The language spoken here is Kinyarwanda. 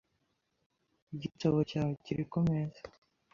Igitabo cyawe kiri kumeza .